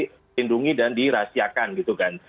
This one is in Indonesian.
jadi itu kan harus dihidungi dan dirahasiakan gitu kan